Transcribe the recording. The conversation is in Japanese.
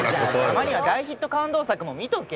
たまには大ヒット感動作も見とけよ！